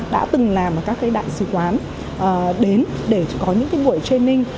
đã từng làm ở các đại sứ quán đến để có những buổi training